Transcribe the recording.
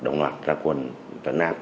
ngoạc ra quần tấn áp